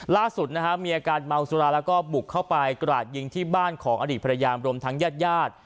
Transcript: ล่าสุดนะฮะมีอาการเมาสุราแล้วก็บุกเข้าไปกราดยิงที่บ้านของอดีตภรรยารวมทั้งญาติญาติ